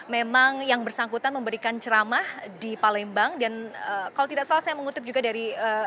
memang yang bersangkutan memberikan ceramah di palembang dan kalau tidak salah saya mengutip juga dari